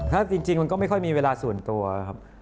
ถ้าจริงมันก็ไม่ค่อยมีเวลาส่วนตัวครับ